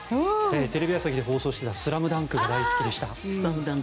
テレビ朝日で放送していた「ＳＬＡＭＤＵＮＫ」が好きでした。